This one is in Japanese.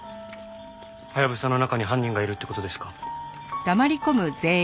ハヤブサの中に犯人がいるって事ですか？